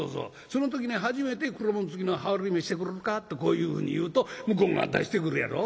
その時に初めて『黒紋付きの羽織見せてくれるか？』とこういうふうに言うと向こうが出してくるやろ。